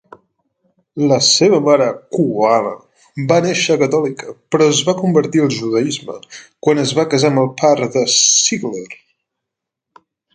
La seva mare cubana va néixer catòlica però es va convertir al judaisme quan es va casar amb el par de Sigler.